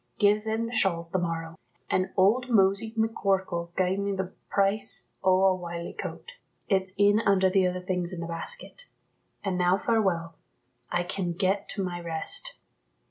Gie them the shawls the morrow. An' old Mosey McCorkell gied me the price o' a wiley coat; it's in under the other things in the basket. An' now farewell; I can get to my rest."